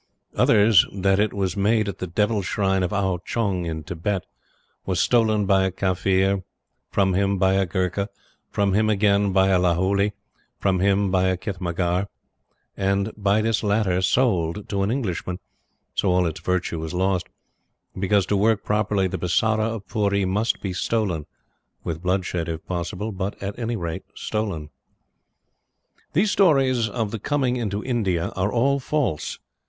Others that it was made at the Devil Shrine of Ao Chung in Thibet, was stolen by a Kafir, from him by a Gurkha, from him again by a Lahouli, from him by a khitmatgar, and by this latter sold to an Englishman, so all its virtue was lost: because, to work properly, the Bisara of Pooree must be stolen with bloodshed if possible, but, at any rate, stolen. These stories of the coming into India are all false.